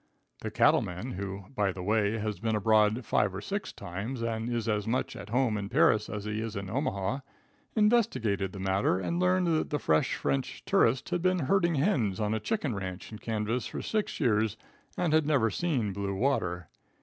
The cattle man, who, by the way, has been abroad five or six times and is as much at home in Paris as he is in Omaha, investigated the matter, and learned that the fresh French tourist had been herding hens on a chicken ranch in Kansas for six years, and had never seen blue water.